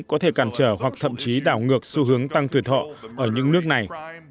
có thể cản trở hoặc thậm chí đảo ngược xu hướng tăng tuổi thọ ở những nước này